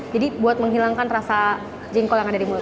jadi buat menghilangkan rasa jengkol yang ada di mulut